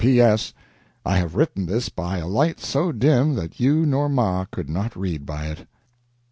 "P.S. I have written this by a light so dim that you nor Ma could not read by it."